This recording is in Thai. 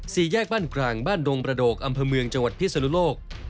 สี่แยกบ้านกลางบ้านดงประโดกอำเภอเมืองจังหวัดพิศนุโลก